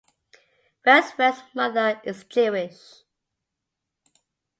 Westfeldt's mother is Jewish.